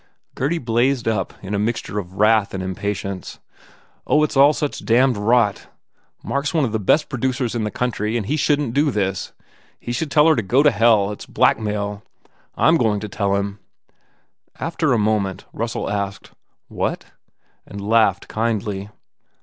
Gurdy blazed up in a mixture of wrath and im patience, "Oh, it s all such damned rot! Mark s one of the best producers in the country and he shouldn t do this! ... He should tell her to go to hell. It s blackmail! I m going to tell him" After a moment Russell asked, "What?" and laughed kindly.